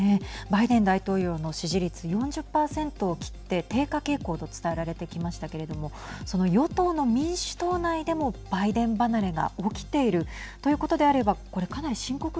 バイデン大統領の支持率４０％を切って低下傾向と伝えられてきましたけれどもその与党の民主党内でもバイデン離れが起きているということであればはい。